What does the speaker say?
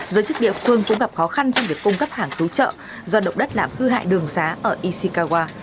giới chức địa phương cũng gặp khó khăn trong việc cung cấp hàng cứu trợ do động đất làm cư hại đường xá ở ishikawa